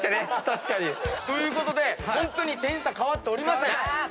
確かに。ということでホントに点差変わっておりません。